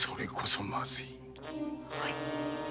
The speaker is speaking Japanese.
はい。